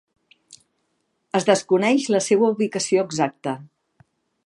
Es desconeix la seua ubicació exacta.